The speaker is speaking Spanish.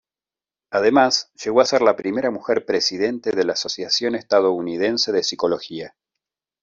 Además, llegó a ser la primera mujer presidente de la Asociación Estadounidense de Psicología.